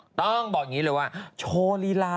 สนับสนุนโดยดีที่สุดคือการให้ไม่สิ้นสุด